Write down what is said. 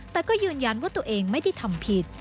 แต่ก็ยืนยันว่าตัวเองไม่ได้ทำผิด